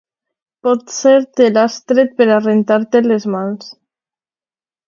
Potser te l'has tret per rentar-te les mans.